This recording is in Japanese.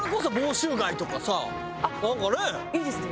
あっいいですね。